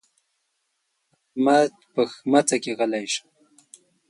احمد په ښمڅه کې غلی شو.